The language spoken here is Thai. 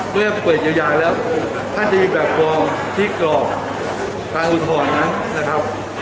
ด้วยว่าเปิดอย่างแล้วถ้าจะมีแบบฟรองที่กรอกการอุทธรณ์